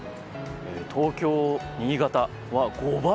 東京、新潟は５倍。